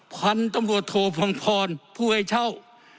พันธุ์ตำรวจโทพงพรผู้ให้เช่า